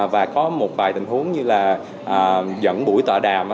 và có một vài tình huống như là dẫn buổi tọa đàm